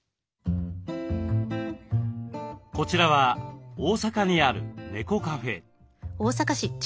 こちらは大阪にある猫カフェ。